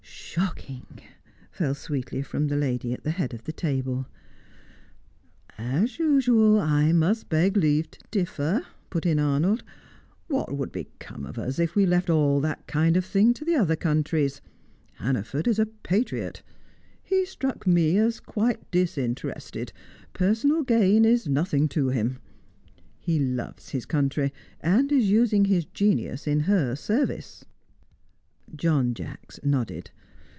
"Shocking!" fell sweetly from the lady at the head of the table. "As usual, I must beg leave to differ," put in Arnold. "What would become of us if we left all that kind of thing to the other countries? Hannaford is a patriot. He struck me as quite disinterested; personal gain is nothing to him. He loves his country, and is using his genius in her service." John Jacks nodded.